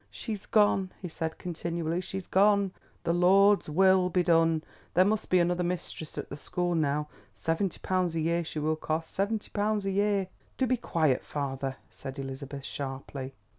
"She's gone," he said continually, "she's gone; the Lord's will be done. There must be another mistress at the school now. Seventy pounds a year she will cost—seventy pounds a year!" "Do be quiet, father," said Elizabeth sharply.